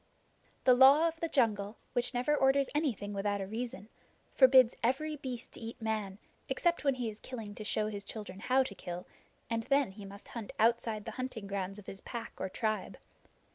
The Law of the Jungle, which never orders anything without a reason, forbids every beast to eat Man except when he is killing to show his children how to kill, and then he must hunt outside the hunting grounds of his pack or tribe.